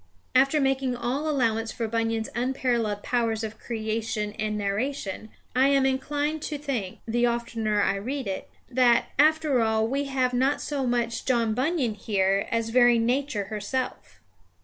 After making all allowance for Bunyan's unparalleled powers of creation and narration, I am inclined to think, the oftener I read it, that, after all, we have not so much John Bunyan here as very Nature herself.